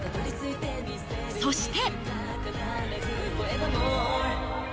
そして。